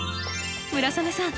村雨さん